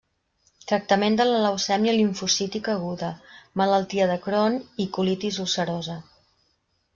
Tractament de la leucèmia limfocítica aguda, malaltia de Crohn i colitis ulcerosa.